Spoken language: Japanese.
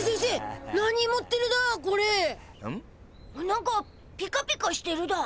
何かピカピカしてるだ。